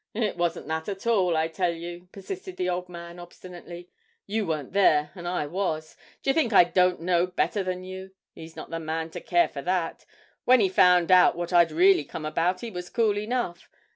'It wasn't that at all, I tell you,' persisted the old man obstinately; 'you weren't there, and I was. D'ye think I don't know better than you? He's not the man to care for that. When he found what I'd really come about he was cool enough.